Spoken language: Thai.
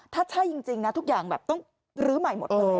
ถ้าใช่จริงนะทุกอย่างแบบต้องลื้อใหม่หมดเลย